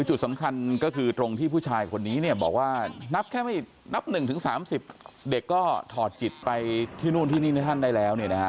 จุดสำคัญก็คือตรงที่ผู้ชายคนนี้บอกว่านับแค่ไม่นับ๑๓๐เด็กก็ถอดจิตไปที่นู่นที่นี่ท่านได้แล้ว